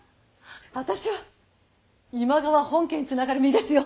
私は今川本家につながる身ですよ！